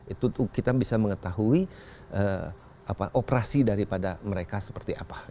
itu kita bisa mengetahui operasi daripada mereka seperti apa